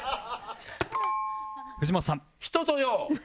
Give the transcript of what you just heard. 藤本さん